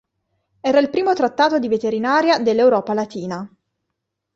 Era il primo trattato di veterinaria dell'Europa latina.